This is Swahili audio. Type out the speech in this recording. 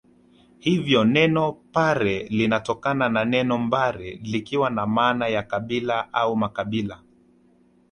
Hivyo neno Pare linatokana na neno mbare likiwa na maana ya kabila au Mkabila